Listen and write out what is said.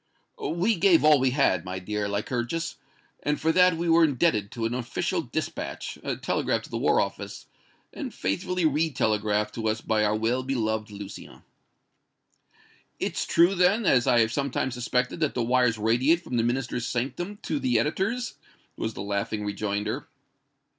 "We gave all we had, my dear Lycurgus, and for that were indebted to an official dispatch, telegraphed to the War Office, and faithfully re telegraphed to us by our well beloved Lucien." "It's true, then, as I have sometimes suspected, that the wires radiate from the Minister's sanctum to the editor's?" was the laughing rejoinder.